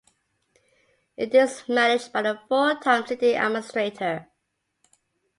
It is managed by a full-time city administrator.